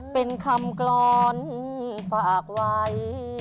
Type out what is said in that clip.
เป็นคำกล้อนฝากไว้